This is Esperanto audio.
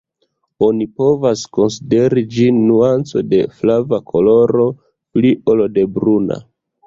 Oni povas konsideri ĝin nuanco de flava koloro pli ol de bruna.